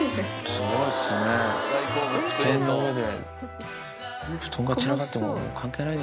すごいっすね、布団の上で。